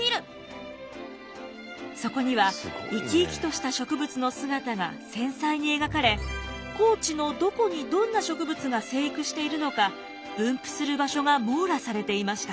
そこには生き生きとした植物の姿が繊細に描かれ高知のどこにどんな植物が生育しているのか分布する場所が網羅されていました。